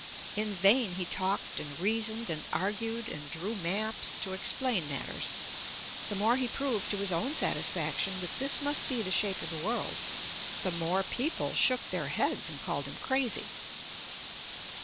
In vain he talked and reasoned and argued, and drew maps to explain matters. The more he proved to his own satisfaction that this must be the shape of the world, the more people shook their heads and called him crazy.